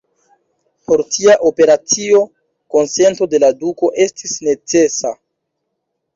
Por tia operacio, konsento de la duko estis necesa.